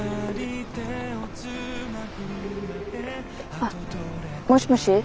あっもしもし？